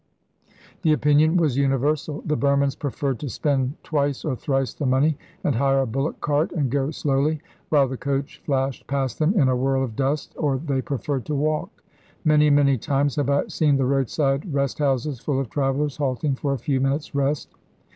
The opinion was universal. The Burmans preferred to spend twice or thrice the money and hire a bullock cart and go slowly, while the coach flashed past them in a whirl of dust, or they preferred to walk. Many and many times have I seen the roadside rest houses full of travellers halting for a few minutes' rest.